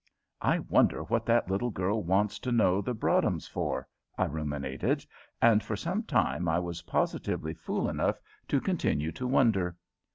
"I wonder what that little girl wants to know the Broadhems for?" I ruminated, and for some time I was positively fool enough to continue to wonder.